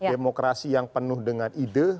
demokrasi yang penuh dengan ide